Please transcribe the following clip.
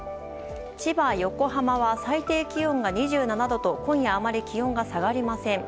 千葉、横浜は最低気温が２７度と今夜、あまり気温が下がりません。